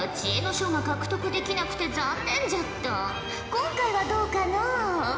今回はどうかのう？